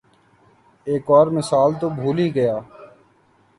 ایک اور مثال تو بھول ہی گیا۔